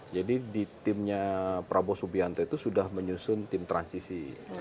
jadi di timnya prabowo subianto itu sudah menyusun tim transisi